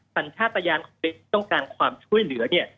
สัญชาติตะยานต้องการความช่วยเหลือเนี่ย